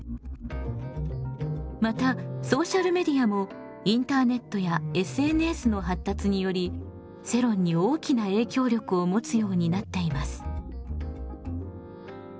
またソーシャルメディアもインターネットやＳＮＳの発達により世論に大きな影響力をもつようになっています。